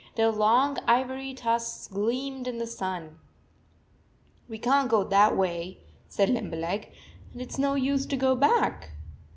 Their long ivory tusks gleamed in the sun. "We can t go that way," said Limber leg, "and it s no use to go back."